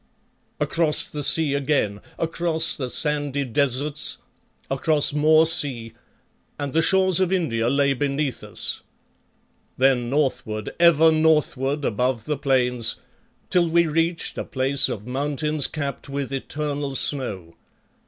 "Across the sea again, across the sandy deserts, across more sea, and the shores of India lay beneath us. Then northward, ever northward, above the plains, till we reached a place of mountains capped with eternal snow.